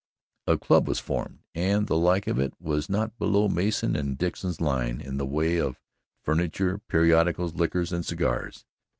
A club was formed and the like of it was not below Mason and Dixon's line in the way of furniture, periodicals, liquors and cigars.